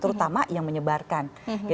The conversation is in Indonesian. terutama yang menyebarkan